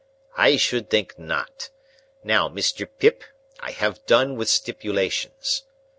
"I should think not! Now, Mr. Pip, I have done with stipulations."